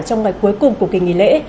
trong ngày cuối cùng của kỳ nghỉ lễ